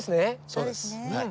そうです。